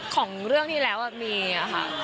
ของเรื่องที่แล้วมีค่ะ